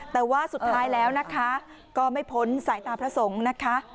แต่ว่าสุดท้ายแล้วนะคะก็ไม่พ้นสายตาพระสงฆ์นะคะ